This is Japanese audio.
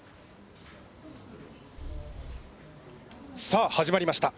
☎さあ始まりました。